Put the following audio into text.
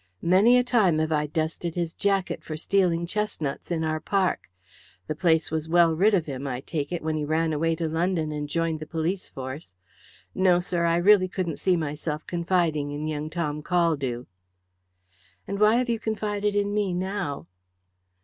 Many a time have I dusted his jacket for stealing chestnuts in our park. The place was well rid of him, I take it, when he ran away to London and joined the police force. No, sir, I really couldn't see myself confiding in young Tom Caldew." "And why have you confided in me now?"